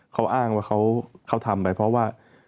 เขาอ้างว่าเขาทำไปเพราะว่า